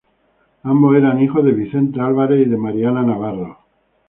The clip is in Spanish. Ambos eran hijos de Vicente Álvarez y de Mariana Navarro.